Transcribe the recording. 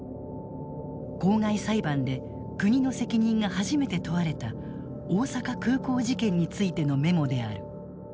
公害裁判で国の責任が初めて問われた大阪空港事件についてのメモである。